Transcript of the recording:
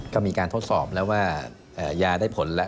ก็มีการทดสอบแล้วว่ายาได้ผลแล้ว